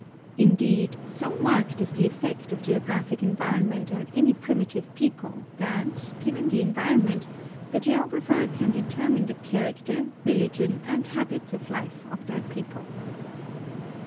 Indeed, so marked is the effect of geographic environment on any primitive people that, given the environment, the geographer can determine the character, re ligion, and habits of life of that people.